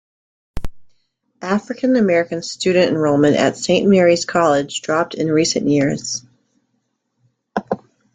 African-American student enrollment at Saint Mary's College dropped in recent years.